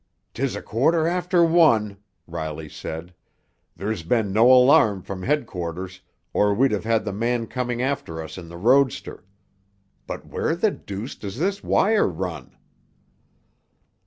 "'Tis a quarter after one," Riley said. "There's been no alarm from headquarters, or we'd have had the man coming after us in the roadster. But where the deuce does this wire run?"